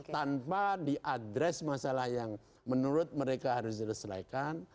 tanpa diadres masalah yang menurut mereka harus diselesaikan